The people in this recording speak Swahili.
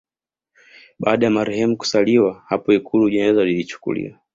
Baada ya marehemu kusaliwa hapo Ikulu jeneza lilichukuliwa